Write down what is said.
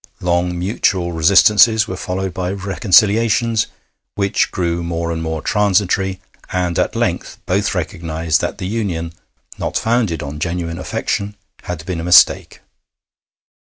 Long mutual resistances were followed by reconciliations, which grew more and more transitory, and at length both recognised that the union, not founded on genuine affection, had been a mistake.